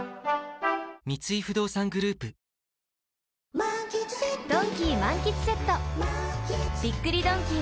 三井不動産グループ桂川さん！